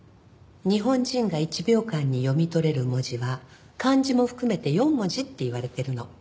日本人が１秒間に読み取れる文字は漢字も含めて４文字っていわれてるの。